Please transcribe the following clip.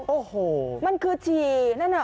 โอ้โฮมันคือฉี่นั้น